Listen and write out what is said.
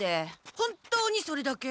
本当にそれだけ？